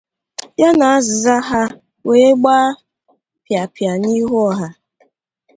ya na azịza ha wee gbaa pịapịa n'ihu ọha.